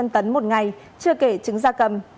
bốn năm trăm linh tấn một ngày chưa kể trứng da cầm